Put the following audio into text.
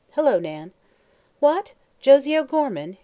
Hello, Nan." "What! Josie O'Gorman?